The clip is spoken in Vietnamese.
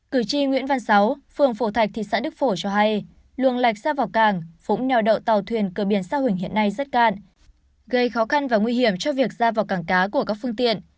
cử tri nguyễn văn sáu phường phổ thạch thị xã đức phổ cho hay luồng lạch ra vào cảng phũng neo đậu tàu thuyền cơ biến xa hình hiện nay rất can gây khó khăn và nguy hiểm cho việc ra vào cảng cá của các phương tiện